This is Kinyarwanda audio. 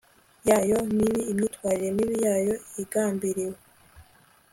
yayo mibi imyitwarire mibi yayo igambiriwe